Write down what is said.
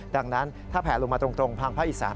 ดังนั้นถ้าแผลลงมาตรงทางภาคอีสาน